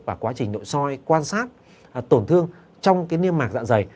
và quá trình nội soi quan sát tổn thương trong cái niêm mạc dạng dày